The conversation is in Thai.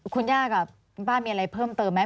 คุณย่ากับป้ามีอะไรเพิ่มเติมไหม